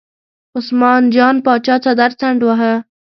عثمان جان پاچا څادر څنډ واهه.